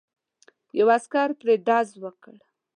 یو عسکر پرې ډز وکړ.